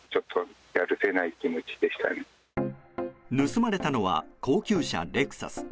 盗まれたのは高級車レクサス。